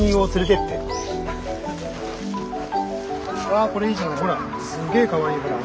あこれいいじゃない。